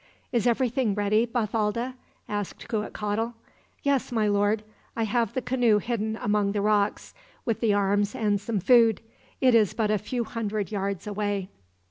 "Is everything ready, Bathalda?" asked Cuitcatl. "Yes, my lord. I have the canoe hidden among the rocks, with the arms and some food. It is but a few hundred yards away."